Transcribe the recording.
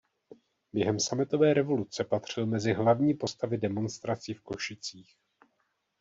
Během sametové revoluce patřil mezi hlavní postavy demonstrací v Košicích.